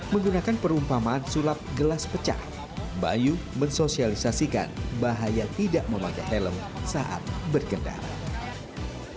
menggunakan perumpamaan sulap gelas pecah bayu mensosialisasikan bahaya tidak memakai helm saat berkendara